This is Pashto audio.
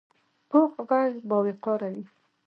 پوخ غږ باوقاره وي